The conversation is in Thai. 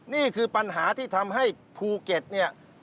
นี่คือปัญหาที่ทำให้ภูเก็ตเนี่ย